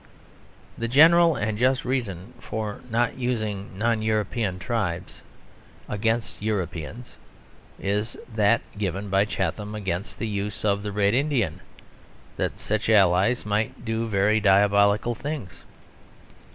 The general and just reason for not using non European tribes against Europeans is that given by Chatham against the use of the Red Indian: that such allies might do very diabolical things.